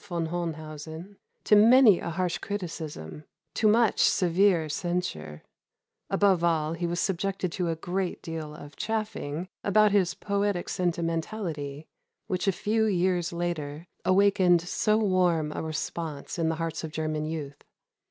von Hohenhausen, "to many a harsh criticism, to much severe censure; above all, he was subjected to a great deal of chaffing about his poetic sentimentality, which a few years later awakened so warm a response in the hearts of German youth.